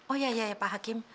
oh ya pak hakim